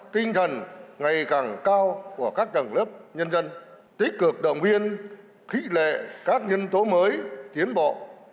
tinh thần ngày càng cao của các tầng lớp nhân dân tích cực động viên khích lệ các nhân tố mới tiến bộ